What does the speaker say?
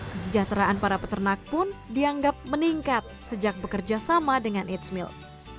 kesejahteraan para peternak pun dianggap meningkat sejak bekerja sama dengan h milk